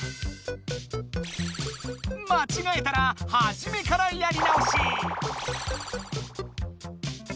まちがえたらはじめからやり直し。